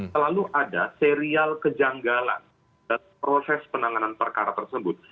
selalu ada serial kejanggalan dalam proses penanganan perkara tersebut